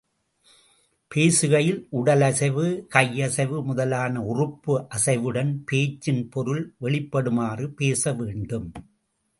பேசுகையில் உடல் அசைவு, கையசைவு முதலான உறுப்பு அசைவுடன் பேச்சின் பொருள் வெளிப்படுமாறு பேச வேண்டும்.